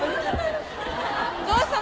どうしたの？